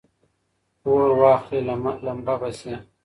اور واخلي لمبه به سي